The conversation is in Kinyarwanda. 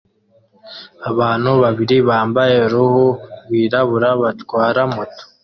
Abantu babiri bambaye uruhu rwirabura batwara moto